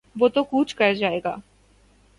تو وہ کوچ کر جائے گا۔